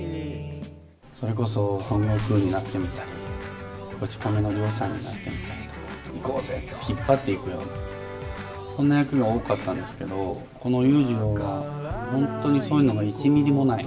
それこそ、孫悟空になってみたり、こち亀の両さんになってみたり、いこうぜ！って引っ張っていくような、そんな役が多かったんですけど、この裕次郎は、本当にそういうのが１ミリもない。